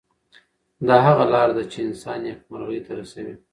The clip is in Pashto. دا هغه لار ده چې انسان نیکمرغۍ ته رسوي.